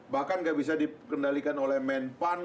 bahkan gak bisa dikendalikan oleh men pan